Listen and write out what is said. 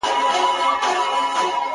له دې رازه مي خبر که دیار زړه خو,